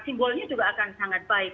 simbolnya juga akan sangat baik